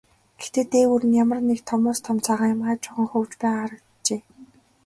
Гэхдээ дээгүүр нь ямар нэг томоос том цагаан юм аажуухан хөвж байгаа харагджээ.